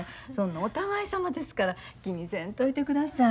お互いさまですから気にせんといてください。